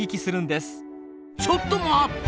ちょっと待った！